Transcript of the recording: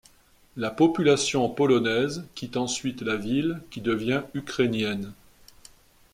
La population polonaise quitte ensuite la ville, qui devient ukrainienne.